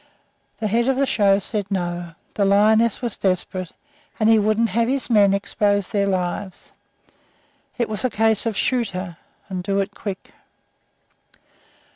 The head of the show said, "No"; the lioness was desperate, and he wouldn't have his men expose their lives. It was a case of "Shoot her, and do it quick."